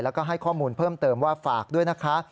แล้วก็ให้ข้อมูลเพิ่มเติมว่าฝากด้วยนะคะ